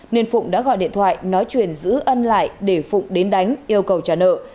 nên phụng đã gọi điện thoại nói chuyện giữ ân lại để phụng đến đánh yêu cầu trả nợ